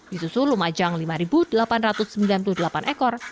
di susulumajang lima delapan ratus sembilan puluh delapan ekor